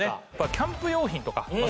キャンプ用品とかまあ